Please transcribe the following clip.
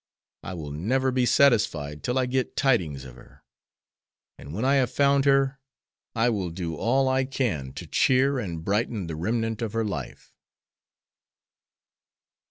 I will never be satisfied till I get tidings of her. And when I have found her I will do all I can to cheer and brighten the remnant of her life."